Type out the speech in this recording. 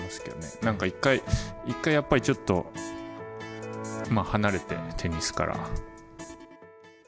なんか一回、やっぱりちょっと、離れて、テニスから。